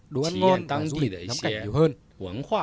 đồ ăn ngon và du lịch lắm cảnh nhiều hơn